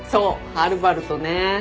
はるばるとね。